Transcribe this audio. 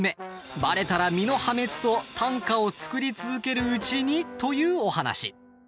ばれたら身の破滅と短歌を作り続けるうちに？というお話。